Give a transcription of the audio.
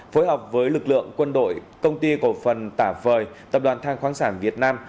phối hợp với lực lượng quân đội công ty cổ phần tả phời tập đoàn thang khoáng sản việt nam